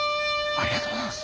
ありがとうございます。